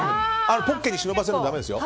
ポッケに忍ばせるのだめですよ。